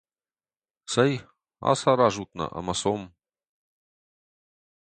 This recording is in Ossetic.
Цӕй, ацаразут нӕ, ӕмӕ цом!